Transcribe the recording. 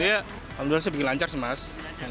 alhamdulillah sih bikin lancar sih mas